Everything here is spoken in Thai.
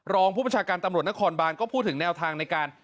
รองผู้บัญชาการตำรวจนครบานก็พูดถึงแนวทางในการ